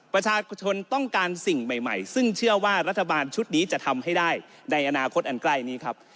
ประชาชนต้องการสิ่งใหม่ซึ่งเชื่อว่ารัฐบาลชุดนี้จะทำให้ได้ในอนาคตอันใกล้นี้ครับ